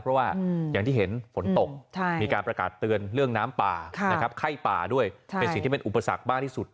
เพราะว่าอย่างที่เห็นฝนตกมีการประกาศเตือนเรื่องน้ำป่าไข้ป่าด้วยเป็นสิ่งที่เป็นอุปสรรคมากที่สุด